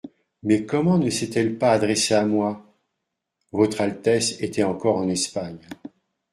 Mais comment ne s'est-elle pas adressée à moi ? Votre Altesse était encore en Espagne.